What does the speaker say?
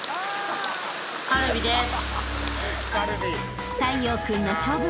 カルビです。